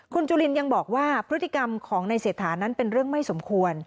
คุณจุลินยังบอกว่าพฤติกรรมของนายเศรษฐานั้นเป็นเรื่องไม่สมควร